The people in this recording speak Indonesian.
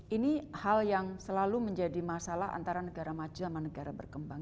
ini hal yang selalu menjadi masalah antara negara maju sama negara berkembang